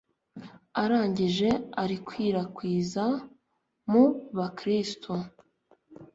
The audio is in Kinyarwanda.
arangije arikwirakwiza mu bakristu